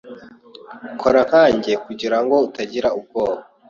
kora nkanjye kugirango utagira ubwoba